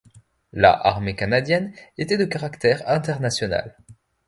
La Armée canadienne était de caractère international.